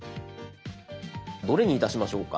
どれにいたしましょうか？